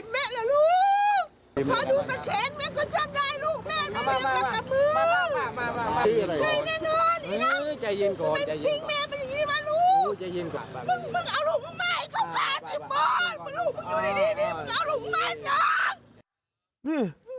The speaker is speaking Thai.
มึงอยู่ดีเอาลูกมาดียัง